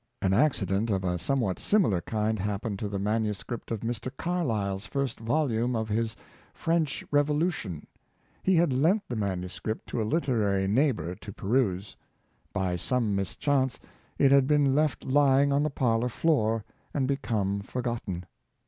An accident of a somewhat similar kind happened to the manuscript of Mr. Carlyle's first volume of his " French Revolution." He had lent the manuscript to a literary neighbor to peruse. By some mischance it had been left lying on the parlor floor, and become forgotten.